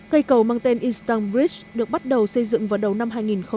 cây cầu mang tên easton bridge được bắt đầu xây dựng vào đầu năm hai nghìn một mươi bảy